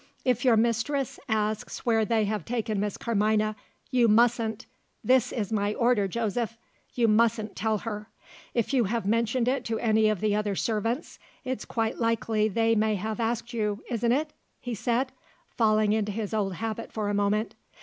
If your mistress asks where they have taken Miss Carmina, you mustn't this is my order, Joseph you mustn't tell her. If you have mentioned it to any of the other servants it's quite likely they may have asked you, isn't it?" he said, falling into his old habit for a moment.